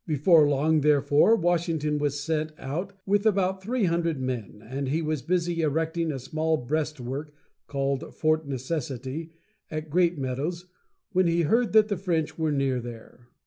Before long, therefore, Washington was sent out with about three hundred men, and he was busy erecting a small breastwork (called Fort Necessity) at Great Meadows, when he heard that the French were near there.